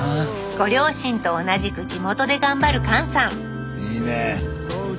ご両親と同じく地元で頑張る勘さんいいねえ！